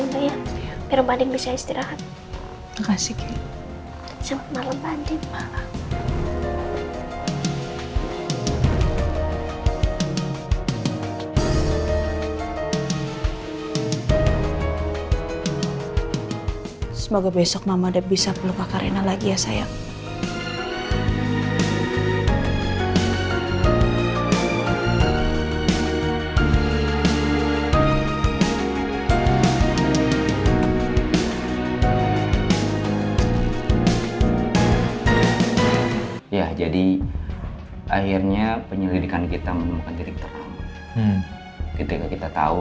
aku harus pastikan mereka tidur nyenyak dulu